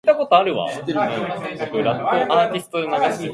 They can live for up to six years in captivity.